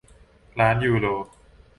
ล้านยูโร